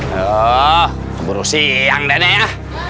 halo baru siang deh nih ya